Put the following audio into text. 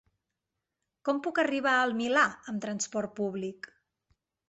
Com puc arribar al Milà amb trasport públic?